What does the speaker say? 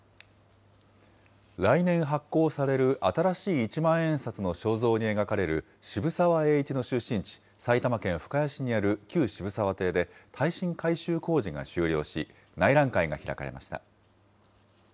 来年発行される新しい一万円札の肖像に描かれる渋沢栄一の出身地、埼玉県深谷市にある旧渋沢邸で、耐震改修工事が終了し、内覧会が開かれました。